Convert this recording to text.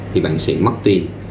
thì bạn sẽ mất tiền